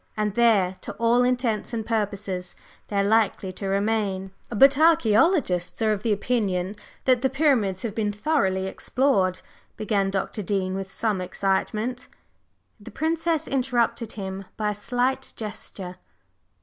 And there, to all intents and purposes, they are likely to remain." "But archæologists are of the opinion that the Pyramids have been thoroughly explored," began Dr. Dean, with some excitement. The Princess interrupted him by a slight gesture.